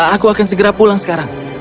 aku akan segera pulang sekarang